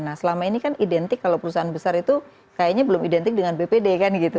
nah selama ini kan identik kalau perusahaan besar itu kayaknya belum identik dengan bpd kan gitu